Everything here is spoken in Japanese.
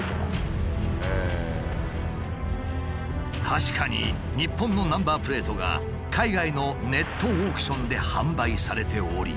確かに日本のナンバープレートが海外のネットオークションで販売されており。